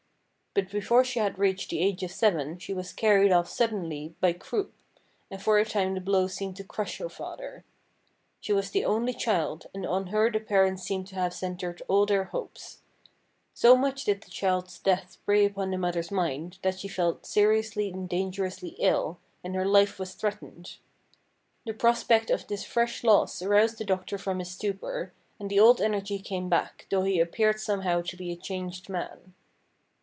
But before she had reached the age of seven she was carried off suddenly by croup, and for a time the blow seemed to crush her father. She was the only child, and on her the parents seemed to have centred all their hopes. So much did the child's death prey upon the mother's mind that she fell seriously and dangerously ill, and her life was threatened. The prospect of this fresh loss aroused the doctor from his stupor, and the old energy came back, though he appeared somehow to be a changed man.